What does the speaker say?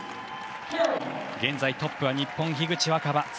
現在トップは日本、樋口新葉。